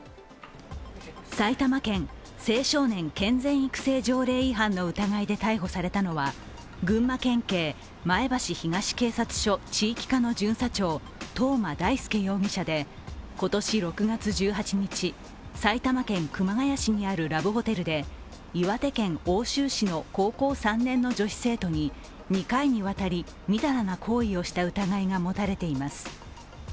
埼玉県青少年健全育成条例違反の疑いで逮捕されたのは群馬県警前橋東警察署地域課の巡査長、藤間大介容疑者で今年６月１８日、埼玉県熊谷市にあるラブホテルで岩手県奥州市の高校３年の女子生徒に２回にわたりみだらな行為をした疑いが持たれています。